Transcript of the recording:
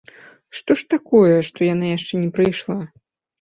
Што ж такое, што яна яшчэ не прыйшла?